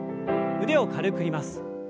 腕を軽く振ります。